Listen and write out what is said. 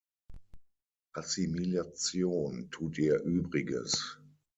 Assimilation tut ihr Übriges.